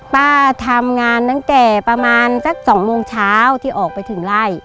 ป้าทำงานตั้งแต่ประมาณสัก๒โมงเช้าที่ออกไปถึงไล่